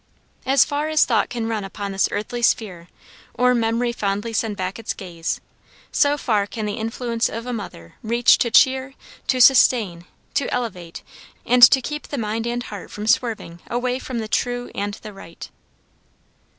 As far as thought can run upon this earthly sphere, or memory fondly send back its gaze, so far can the influence of a mother reach to cheer, to sustain, to elevate, and to keep the mind and heart from swerving away from the true and the right.